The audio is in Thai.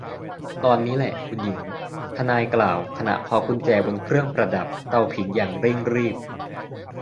ตอนนี้แหละคุณหญิง ทนายกล่าวขณะเคาะกุญแจบนเครื่องประดับเตาผิงอย่างเร่งรีบ